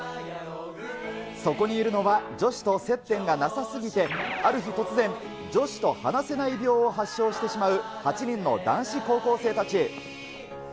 そこにいるのは、女子と接点がなさすぎて、ある日突然、女子と話せない病を発症してしまう８人の男子高校生たち。